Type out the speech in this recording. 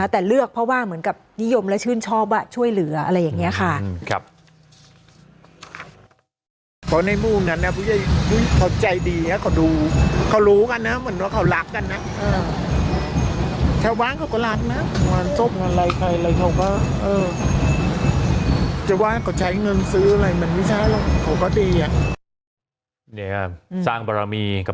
แต่เลือกเพราะว่าเหมือนกับนิยมและชื่นชอบช่วยเหลืออะไรอย่างนี้ค่ะ